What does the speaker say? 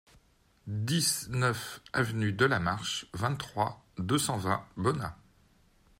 dix-neuf avenue de la Marche, vingt-trois, deux cent vingt, Bonnat